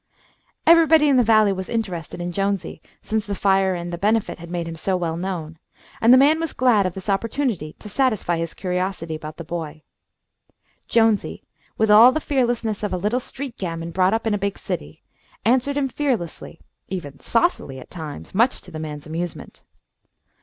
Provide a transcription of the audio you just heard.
Everybody in the Valley was interested in Jonesy since the fire and the Benefit had made him so well known, and the man was glad of this opportunity to satisfy his curiosity about the boy. Jonesy, with all the fearlessness of a little street gamin brought up in a big city, answered him fearlessly, even saucily at times, much to the man's amusement.